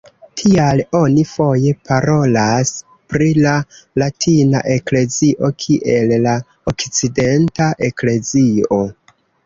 Tial oni foje parolas pri la latina eklezio kiel "la okcidenta eklezio".